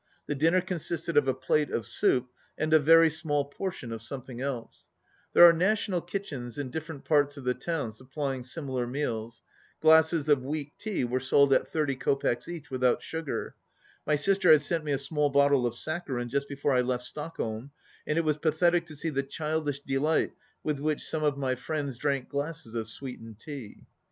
The dinner consisted of a plate of soup, and a very small portion of something else. There are Na tional Kitchens in different parts of the town sup plying similar meals. Glasses of weak tea were sold at 30 kopecks each, without sugar. My sister had sent me a small bottle of saccharine just be fore I left Stockholm, and it was pathetic to see the childish delight with which some of my friends drank glasses of sweetened tea.